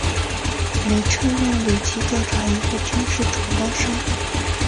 雷彻让里奇调查一个军事承包商。